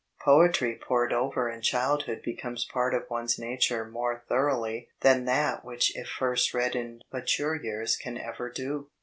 Poetry pored over in child hood becomes part of one's nature more thoroughly dtan that which if first read in mature years can ever do.